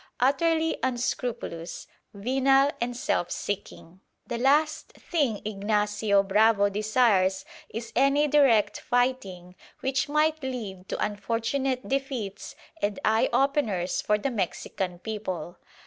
Utterly unscrupulous, venal and self seeking, the last thing Ignacio Bravo desires is any direct fighting which might lead to unfortunate defeats and eye openers for the Mexican people.